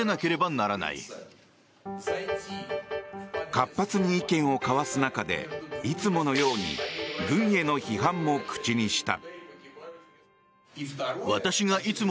活発に意見を交わす中でいつものように軍への批判も口にした。